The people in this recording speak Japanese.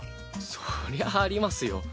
そりゃありますよ。